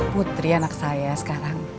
putri anak saya sekarang